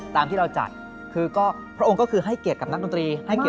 ตามที่เราจัดพระองค์ก็คือให้เกียรติกับนักดนตรี